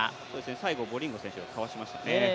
最後ボリンゴ選手が飛ばしましたね。